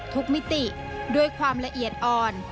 มิติด้วยความละเอียดอ่อน